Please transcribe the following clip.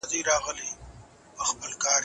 په مال کي د زکات نه بېل حق سته.